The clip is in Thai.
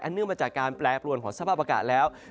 เนื่องมาจากการแปรปรวนของสภาพอากาศแล้ว